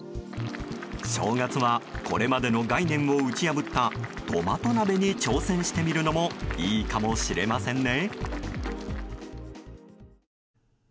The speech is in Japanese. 正月はこれまでの概念を打ち破ったトマト鍋に挑戦してみるのもいいかもしれませんね。